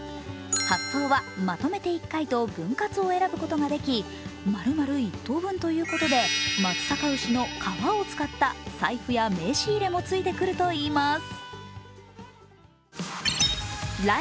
発送はまとめて１回と分割を選ぶことができまるまる１等分ということで、松阪牛の革を使った財布や名刺入れもついてくるといいます。